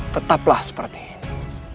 tetaplah seperti ini